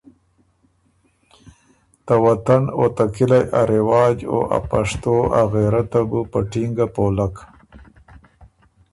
ته وطن او ته کِلئ ا رېواج او ا پشتو ا غېرته بو په ټینګه پولکِن۔